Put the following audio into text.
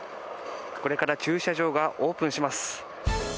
これから駐車場がオープンします。